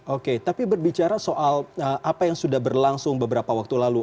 oke tapi berbicara soal apa yang sudah berlangsung beberapa waktu lalu